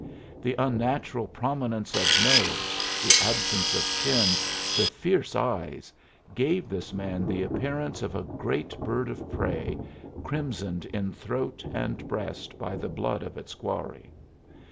The unnatural prominence of nose, the absence of chin, the fierce eyes, gave this man the appearance of a great bird of prey crimsoned in throat and breast by the blood of its quarry.